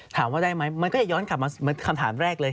ถามว่าได้ไหมมันก็จะย้อนกลับมาคำถามแรกเลย